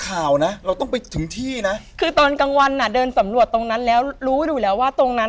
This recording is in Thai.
้าถันนี่แหละค่ะที่คุณปต้าเล่า